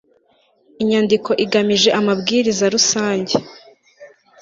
inyandiko igamije amabwiriza rusange